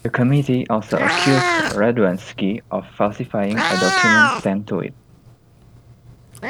The committee also accused Radwanski of falsifying a document sent to it.